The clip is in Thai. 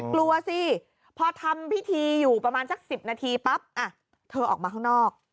กลัวสิพอทำพิธีอยู่ประมาณสัก๑๐นาทีปั๊บเธอออกมาข้างนอก